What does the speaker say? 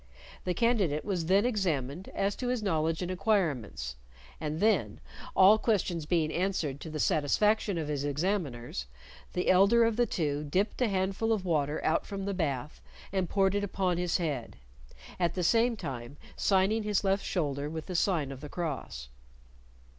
The candidate was then examined as to his knowledge and acquirements, and then, all questions being answered to the satisfaction of his examiners, the elder of the two dipped a handful of water out from the bath, and poured it upon his head, at the same time signing his left shoulder with the sign of the cross.